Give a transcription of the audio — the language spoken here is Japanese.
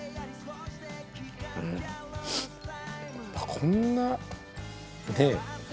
こんなねぇ。